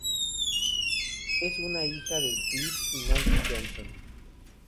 Es una hija de Cliff y Nancy Johnson.